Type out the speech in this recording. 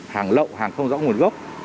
hàng lậu hàng không rõ nguồn gốc